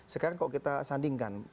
sekarang kalau kita sandingkan